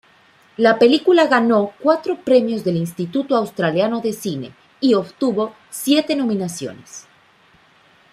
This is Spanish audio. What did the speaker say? La película ganó cuatro premios del Instituto Australiano del Cine, y obtuvo siete nominaciones.